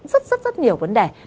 rất rất rất nhiều vấn đề